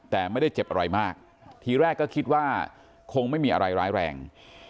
แต่ไม่ได้เจ็บอะไรมากทีแรกก็คิดว่าคงไม่มีอะไรร้ายแรง